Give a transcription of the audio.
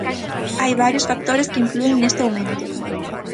Hai varios factores que inflúen neste aumento.